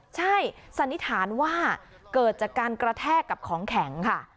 ใช่สันนิษฐานว่าเกิดจากการกระแทกกับของแข็งค่ะ